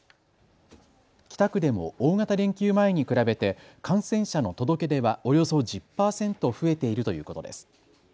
北区でも大型連休前に比べて感染者の届け出はおよそ１０％増えているということです。